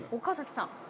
岡崎さん。